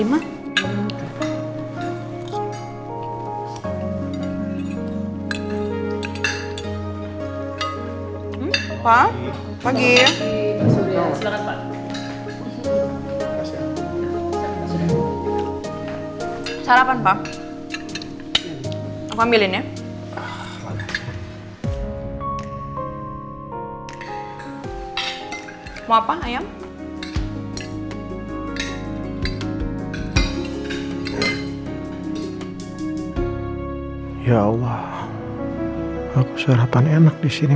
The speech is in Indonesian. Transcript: mama tidurnya gimana